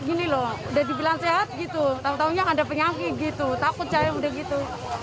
gini loh udah dibilang sehat gitu tau taunya ada penyakit gitu takut saya udah gitu